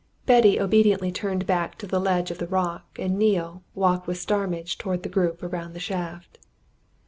Betty obediently turned back to the ledge of rock, and Neale walked with Starmidge towards the group around the shaft.